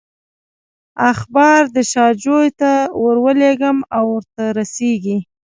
اخبار دې شاجوي ته ورولېږم او ورته رسېږي.